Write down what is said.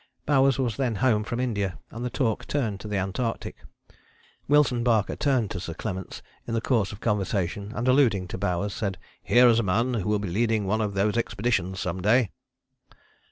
Bowers was then home from India, and the talk turned to the Antarctic. Wilson Barker turned to Sir Clements in the course of conversation and alluding to Bowers said: "Here is a man who will be leading one of those expeditions some day."